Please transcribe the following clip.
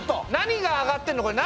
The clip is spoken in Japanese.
何があがってんの？